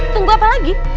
tunggu apa lagi